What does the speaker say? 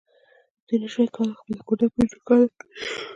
دوی نشوای کولای خپله کوټه پرې روښانه کړي